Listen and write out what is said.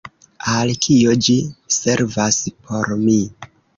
Al kio ĝi servas por mi?